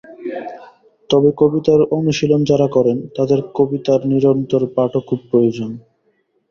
তবে কবিতার অনুশীলন যারা করেন তাদের কবিতার নিরন্তর পাঠও খুব প্রয়োজন।